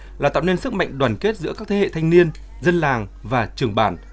đề án bảo tồn và tạo nên sức mạnh đoàn kết giữa các thế hệ thanh niên dân làng và trường bản